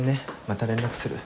また連絡する。